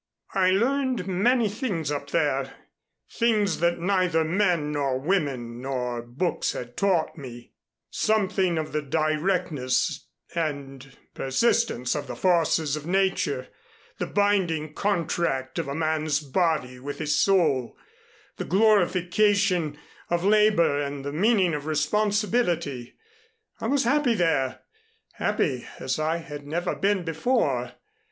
"I learned many things up there things that neither men nor women nor books had taught me, something of the directness and persistence of the forces of nature, the binding contract of a man's body with his soul, the glorification of labor and the meaning of responsibility. I was happy there happy as I had never been before.